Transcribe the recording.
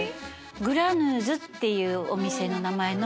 グラヌーズっていうお店の名前の。